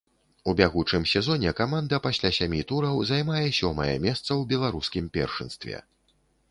У бягучым сезоне каманда пасля сямі тураў займае сёмае месца ў беларускім першынстве.